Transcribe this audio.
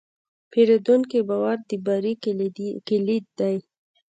د پیرودونکي باور د بری کلید دی.